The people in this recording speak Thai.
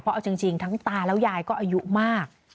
เอาจริงทั้งตาแล้วยายก็อายุมาก